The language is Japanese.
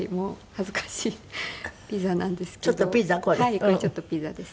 はいこれちょっとピザです。